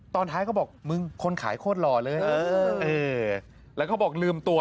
ตอนท้ายเขาบอกมึงคนขายโคตรหล่อเลยแล้วเขาบอกลืมตัว